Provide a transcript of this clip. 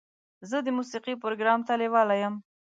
زه د موسیقۍ پروګرام ته لیواله یم.